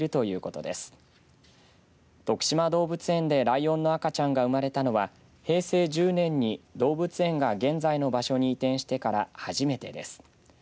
とくしま動物園でライオンの赤ちゃんが生まれたのは平成１０年に動物園が現在の場所に移転してから初めてです。